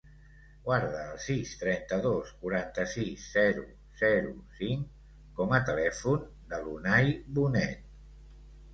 Guarda el sis, trenta-dos, quaranta-sis, zero, zero, cinc com a telèfon de l'Unay Bonet.